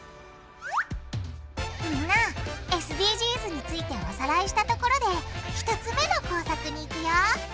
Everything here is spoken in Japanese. ＳＤＧｓについておさらいしたところで１つ目の工作にいくよ！